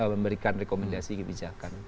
memberikan rekomendasi kebijakan